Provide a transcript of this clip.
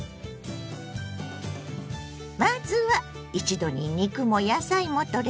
まずは一度に肉も野菜もとれる！